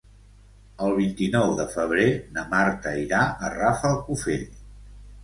El vint-i-nou de febrer na Marta irà a Rafelcofer.